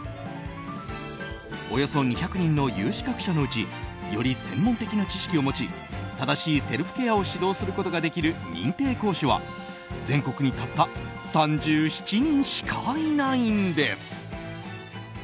およそ２００人の有資格者のうちより専門的な知識を持ち正しいセルフケアを指導することができる認定講師は全国にたった３７人しかいないんです。